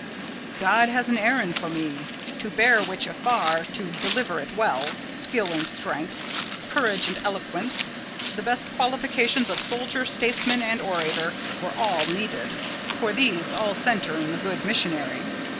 God had an errand for me; to bear which afar, to deliver it well, skill and strength, courage and eloquence, the best qualifications of soldier, statesman, and orator, were all needed: for these all centre in the good missionary.